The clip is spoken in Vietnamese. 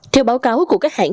theo báo cáo của các hãng